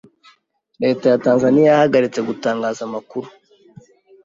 Leta ya Tanzania yahagaritse gutangaza amakuru